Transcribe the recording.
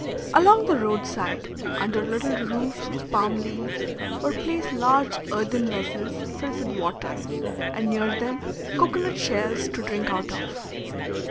Along the road side, under little roofs of palm leaves, were placed large earthen vessels filled with water, and near them cocoa nut shells to drink out of.